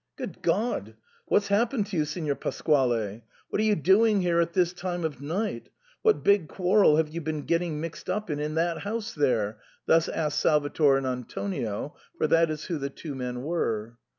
" Good God ! what's happened to you, Signer Pasquale ? What are you doing here at this time of night ? What big quarrel have you been getting mixed up in in that house there ?" thus asked Sal vator and Antonio, for that is who the two men were.